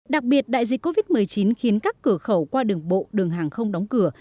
đặc biệt đại dịch covid một mươi chín khiến các cửa khẩu qua đường bộ đường hàng không đóng cửa